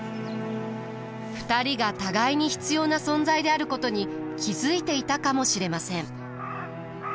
２人が互いに必要な存在であることに気付いていたかもしれません。